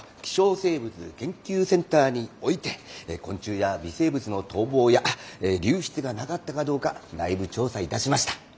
生物研究センターにおいて昆虫や微生物の逃亡や流出がなかったかどうか内部調査いたしました。